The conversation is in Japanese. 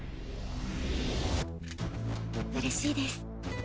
うれしいです。